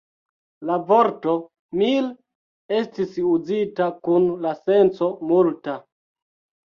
La vorto "mil" estis uzita kun la senco "multa".